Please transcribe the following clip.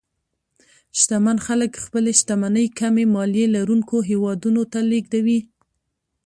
شتمن خلک خپلې شتمنۍ کمې مالیې لرونکو هېوادونو ته لېږدوي.